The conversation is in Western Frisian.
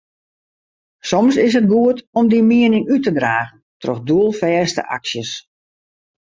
Soms is it goed om dyn miening út te dragen troch doelfêste aksjes.